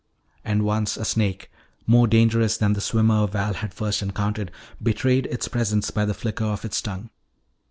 And once a snake, more dangerous than the swimmer Val had first encountered, betrayed its presence by the flicker of its tongue.